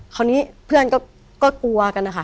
คราวนี้เพื่อนก็กลัวกันนะคะ